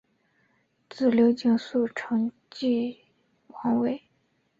子刘景素承袭王位。